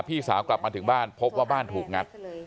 พี่สาวกลับมาถึงบ้านพบว่าบ้านถูกงัด